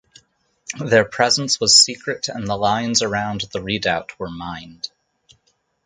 Their presence was secret and the lines around the Redoubt were mined.